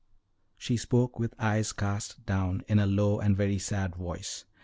She spoke with eyes cast down, in a low and very sad voice.